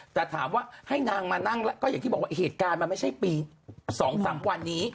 แต่ถามว่าให้นางมานั่งแล้วก็อย่างที่บอกว่าเหตุการณ์มันไม่ใช่ปี๒๓วันนี้